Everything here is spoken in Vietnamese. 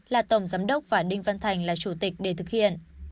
là tổng giám đốc và đinh văn thành là chủ tịch để thực hiện